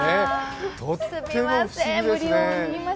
とっても不思議ですね。